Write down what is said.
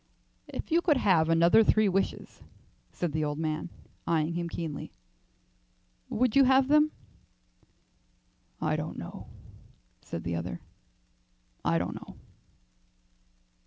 "If you could have another three wishes," said the old man, eyeing him keenly, "would you have them?" "I don't know," said the other. "I don't know."